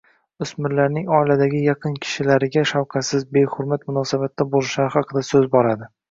o‘smirlarning oiladagi yaqin kishilariga shafqatsiz, behurmat munosabatda bo‘lishlari haqida so‘z boradi.